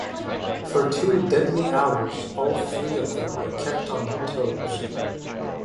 For two deadly hours, all three of them were kept on their toes.